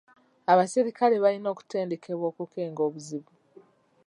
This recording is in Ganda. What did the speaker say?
Abaserikale balina okutendekebwa okukenga obuzibu.